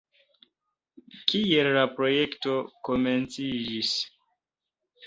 Kiel la projekto komenciĝis?